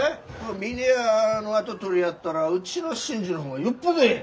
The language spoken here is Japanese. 峰屋の跡取りやったらうちの伸治の方がよっぽどえい！